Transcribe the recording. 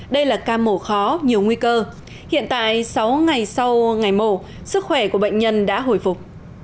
đây là ca mổ khó nhiều nguy cơ hiện tại sáu ngày sau ngày mổ sức khỏe của bệnh nhân đã hồi phục